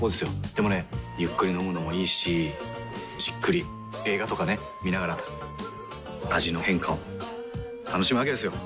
でもねゆっくり飲むのもいいしじっくり映画とかね観ながら味の変化を楽しむわけですよ。